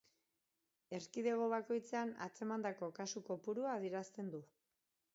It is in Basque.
Erkidego bakoitzean atzemandako kasu kopurua adierazten du.